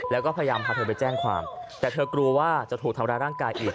แล้วก็พยายามพาเธอไปแจ้งความแต่เธอกลัวว่าจะถูกทำร้ายร่างกายอีก